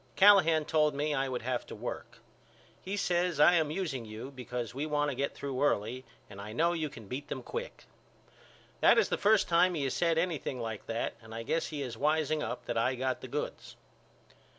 Callahan told me I would have to work. He says I am using you because we want to get through early and I know you can beat them quick. That is the first time he has said anything like that and I guess he is wiseing up that I got the goods.